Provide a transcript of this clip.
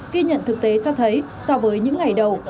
ghi nhận thực tế cho thấy so với những ngày đầu